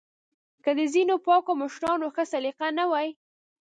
که د ځینو پاکو مشرانو ښه سلیقه نه وای